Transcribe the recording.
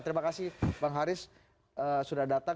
terima kasih bang haris sudah datang